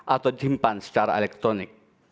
atau dihimpang secara elektronik